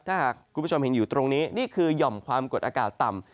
ถ้าหากคุณผู้ชมเห็นอยู่ตรงนี้นี่คือหย่อมความกดอากาศต่ำ